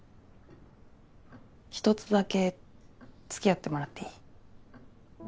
ひとつだけ付き合ってもらっていい？